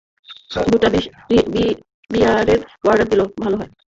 দুইটা বিয়ারের অর্ডার দিলে ভালো হয়।